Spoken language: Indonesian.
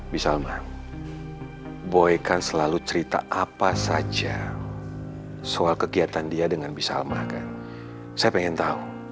bisa maaf boy kan selalu cerita apa saja soal kegiatan dia dengan bisa makan saya pengen tahu